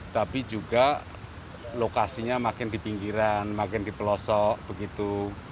tapi juga lokasinya makin di pinggiran makin di pelosok begitu